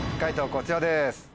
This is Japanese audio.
こちらです。